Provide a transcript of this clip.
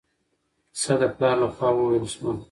کیسه د پلار له خوا وویل شوه.